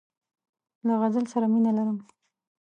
له غزل سره مینه لرم.